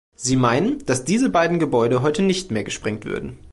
Sie meinen, dass diese beiden Gebäude heute nicht mehr gesprengt würden.